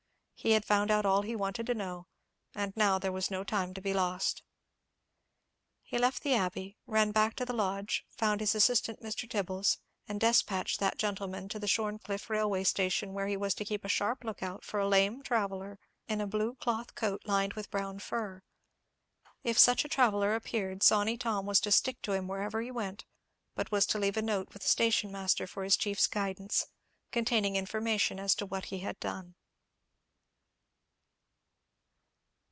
He had found out all he wanted to know, and now there was no time to be lost. He left the Abbey, ran back to the lodge, found his assistant, Mr. Tibbles, and despatched that gentleman to the Shorncliffe railway station, where he was to keep a sharp look out for a lame traveller in a blue cloth coat lined with brown fur. If such a traveller appeared, Sawney Tom was to stick to him wherever he went; but was to leave a note with the station master for his chief's guidance, containing information as to what he had done.